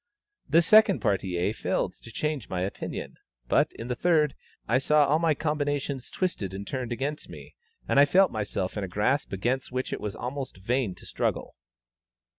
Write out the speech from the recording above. The second partie failed to change my opinion; but, in the third, I saw all my combinations twisted and turned against me, and I felt myself in a grasp against which it was almost vain to struggle."